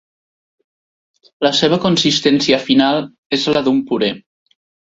La seva consistència final és la d'un puré.